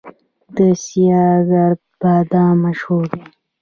د سیاه ګرد بادام مشهور دي